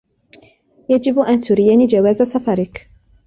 يجب أن تريني جواز سفرك.